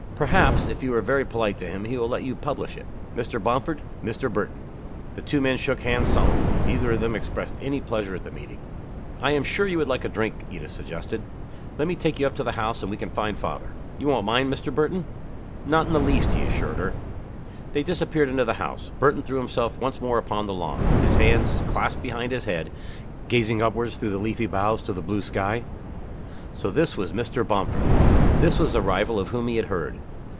Perhaps, if you are very polite to him, he will let you publish it. Mr. Bomford Mr. Burton." The two men shook hands solemnly. Neither of them expressed any pleasure at the meeting. "I am sure you would like a drink," Edith suggested. "Let me take you up to the house and we can find father. You won't mind, Mr. Burton?" "Not in the least," he assured her. They disappeared into the house. Burton threw himself once more upon the lawn, his hands clasped behind his head, gazing upwards through the leafy boughs to the blue sky. So this was Mr. Bomford! This was the rival of whom he had heard!